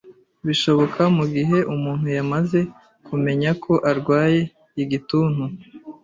bishoboka mu gihe umuntu yamaze kumenya ko arwaye igituntu